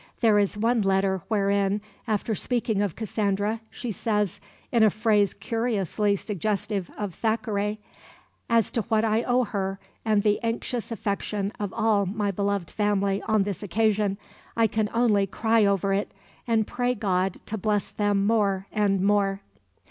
There is one letter wherein, after speaking of Cassandra, she says, in a phrase curiously suggestive of Thackeray: "As to what I owe her, and the anxious affection of all my beloved family on this occasion, I can only cry over it, and pray God to bless them more and more."